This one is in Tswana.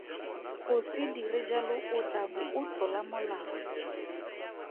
Go se dire jalo o tla bo o tlola molao.